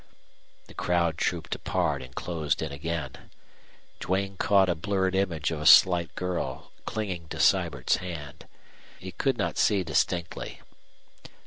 The crowd trooped apart and closed again. Duane caught a blurred image of a slight girl clinging to Sibert's hand. He could not see distinctly.